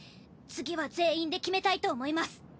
次は全員できめたいと思います。